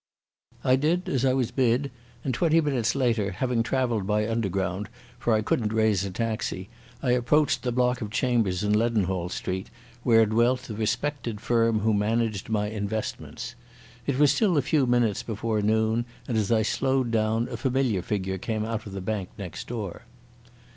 I did as I was bid, and twenty minutes later, having travelled by Underground, for I couldn't raise a taxi, I approached the block of chambers in Leadenhall Street where dwelt the respected firm who managed my investments. It was still a few minutes before noon, and as I slowed down a familiar figure came out of the bank next door.